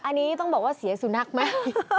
อันนี้ต้องบอกว่าเสียสุนัขไหม